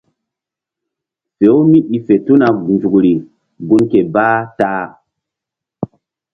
Fe-u mí i fe tuna nzukri gun ké bah ta.